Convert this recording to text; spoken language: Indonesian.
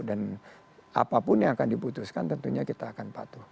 dan apapun yang akan diputuskan tentunya kita akan patuh